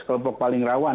kelompok paling rawan